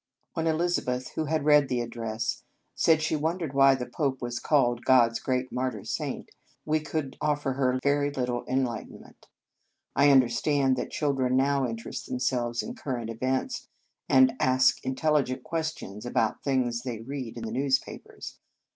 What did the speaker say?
When Elizabeth, who had read the address, said she wondered why the Pope was called " God s great mar tyr saint," we could offer her very lit tle enlightenment. I understand that children now interest themselves in current events, and ask intelligent questions about things they read in the newspapers.